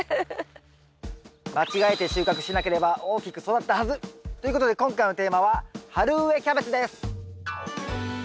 間違えて収穫しなければ大きく育ったはず！ということで今回のテーマは「春植えキャベツ」です。